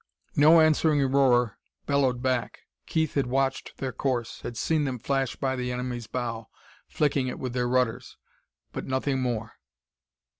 No answering roar bellowed back. Keith had watched their course; had seen them flash by the enemy's bow, flicking it with their rudders, but nothing more.